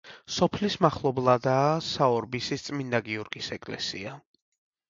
სოფლის მახლობლადაა საორბისის წმინდა გიორგის ეკლესია.